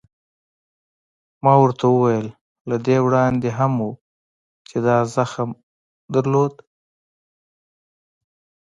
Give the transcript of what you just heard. ما ورته وویل: له دې وړاندې هم و، چې دا زخم در درلود؟